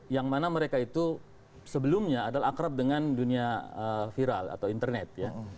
yang mana mereka itu sebelumnya adalah akrab dengan dunia viral atau internet